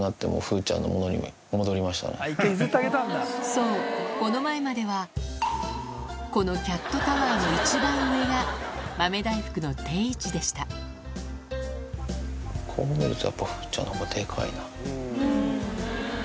そうこの前まではこのキャットタワーの一番上が豆大福の定位置でしたこう見るとやっぱ風ちゃんのほうがデカいな。